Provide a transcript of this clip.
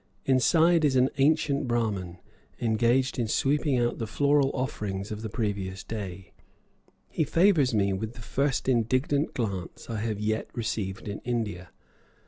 Inside is an ancient Brahman, engaged in sweeping out the floral offerings of the previous day; he favors me with the first indignant glance I have yet received in India.